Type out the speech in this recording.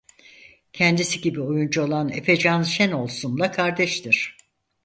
Kendisi gibi oyuncu olan Efecan Şenolsun'la kardeştir.